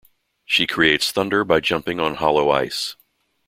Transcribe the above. She creates thunder by jumping on hollow ice.